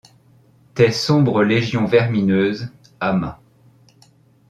Tes sombres légions vermineuses, amas